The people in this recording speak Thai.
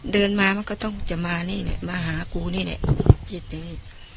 เดินมามันก็ต้องจะมานี่แหละมาหากูนี่แหละที่ตี